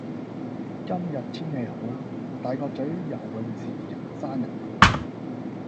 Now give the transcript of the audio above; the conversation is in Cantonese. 今日天氣好，大角咀游泳池人山人海。